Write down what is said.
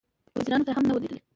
له وزیرانو سره هم نه وه لیدلې.